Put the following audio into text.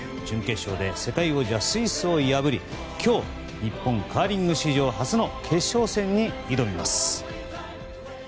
準決勝で世界王者スイスを破り今日、日本カーリング史上初の決勝戦に挑みます。